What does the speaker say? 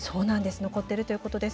残っているということです。